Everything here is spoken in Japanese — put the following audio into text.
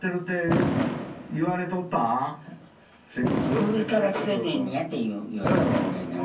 首からきてるんやて言われてるけどな。